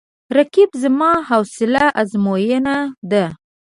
رقیب زما د حوصله آزموینه ده